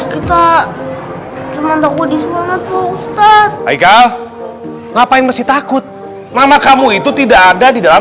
kita cuma takut diselamat hai hai ga ngapain masih takut nama kamu itu tidak ada di dalam